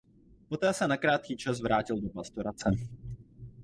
Poté se na krátký čas vrátil do pastorace.